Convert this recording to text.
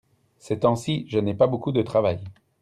ces temps-ci je n'ai pas beaucoup de travail.